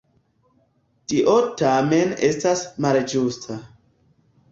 Tio tamen estas malĝusta.